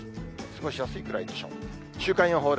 過ごしやすいくらいでしょう。